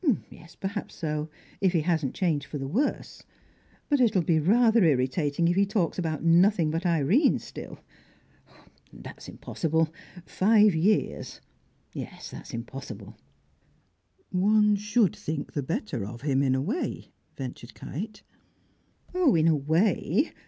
"Yes, perhaps so. If he hasn't changed for the worse. But it'll be rather irritating if he talks about nothing but Irene still. Oh, that's impossible! Five years; yes, that's impossible." "One should think the better of him, in a way," ventured Kite. "Oh, in a way.